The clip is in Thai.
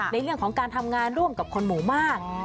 ในเรื่องของการทำงานร่วมกับคนหมู่มาก